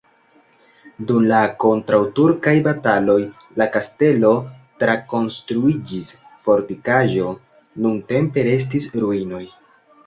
Dum la kontraŭturkaj bataloj la kastelo trakonstruiĝis fortikaĵo, nuntempe restis ruinoj.